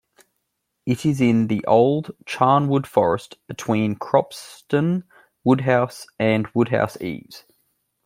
It is in the old Charnwood Forest, between Cropston, Woodhouse and Woodhouse Eaves.